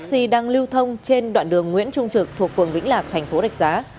xe đang lưu thông trên đoạn đường nguyễn trung trực thuộc phường vĩnh lạc thành phố rạch giá